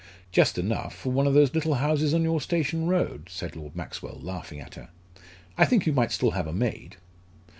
"Just enough, for one of those little houses on your station road," said Lord Maxwell, laughing at her. "I think you might still have a maid."